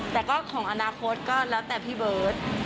แต่ก็ของอนาคตก็แล้วแต่พี่เบิร์ต